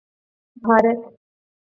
Bharat